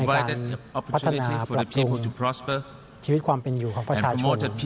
ในการพัฒนาปรักตรุงชีวิตความเป็นอยู่ของประชาชน